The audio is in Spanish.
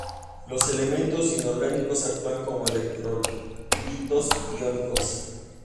Los elementos inorgánicos actúan como electrolitos iónicos.